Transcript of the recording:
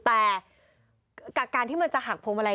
แต่การที่มันจะหักพวงมาลัย